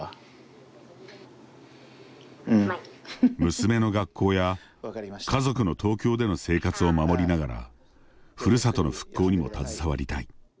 娘の学校や、家族の東京での生活を守りながらふるさとの復興にも携わりたい。